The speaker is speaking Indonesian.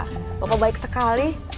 terima kasih bapak bapak baik sekali